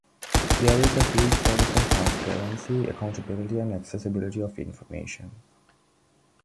There is a huge focus on transparency, accountability and accessibility of information.